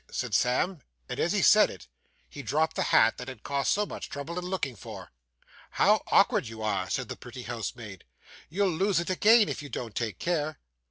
said Sam; and as he said it, he dropped the hat that had cost so much trouble in looking for. 'How awkward you are,' said the pretty housemaid. 'You'll lose it again, if you don't take care.